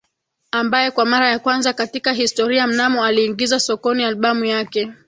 Ambaye kwa mara ya kwanza katika historia mnamo aliingiza sokoni albamu yake